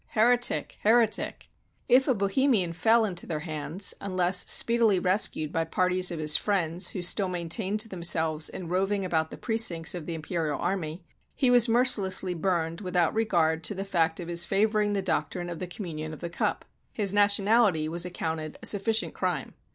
Heretic, Heretic!" If 276 THE DELIVERANCE OF PRAGUE a Bohemian fell into their hands, unless speedily rescued by parties of his friends who still maintained themselves in roving about the precincts of the imperial army, he was mercilessly burned, without regard to the fact of his favoring the doctrine of the communion of the cup. His nationality was accounted a sufficient crime.